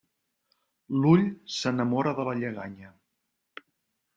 L'ull s'enamora de la lleganya.